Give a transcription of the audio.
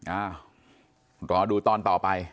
อ้าวรอดูตอนต่อไป